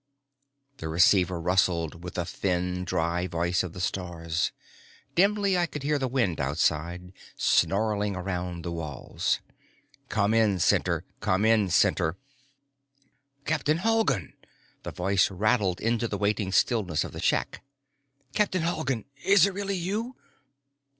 The receiver rustled with the thin dry voice of the stars. Dimly, I could hear the wind outside, snarling around the walls. "Come in, Center. Come in, Center." "Captain Halgan!" The voice rattled into the waiting stillness of the shack. "Captain Halgan, is it really you?"